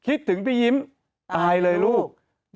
คิดถึงพี่ยิ้มตายเลยลูก